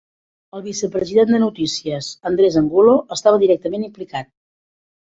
El vicepresident de Notícies, Andres Angulo, estava directament implicat.